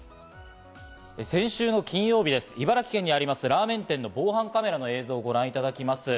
先週の金曜日です、茨城県にあります、ラーメン店の防犯カメラの映像をご覧いただきます。